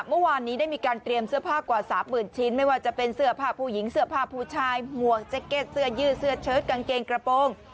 เมื่อวานนี้ได้มีการเตรียมเสื้อผ้ากว่าสามหมื่นชิ้นไม่ว่าจะเป็นเสื้อผ้าผู้หญิงเสื้อผ้าผู้ชายหมวกแจ็กเก็ตเสื้อยืดเสื้อเชิดกางเกงกระโปรง